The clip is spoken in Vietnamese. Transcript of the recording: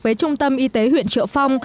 với trung tâm y tế huyện triệu phong